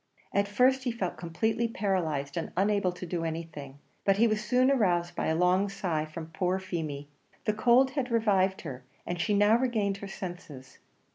At first he felt completely paralysed, and unable to do anything; but he was soon aroused by a long sigh from poor Feemy. The cold had revived her, and she now regained her senses.